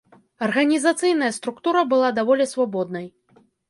Арганізацыйная структура была даволі свабоднай.